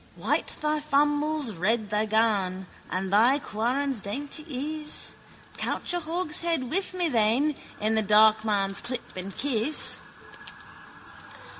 White thy fambles, red thy gan And thy quarrons dainty is. Couch a hogshead with me then. In the darkmans clip and kiss.